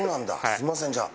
すみませんじゃあ。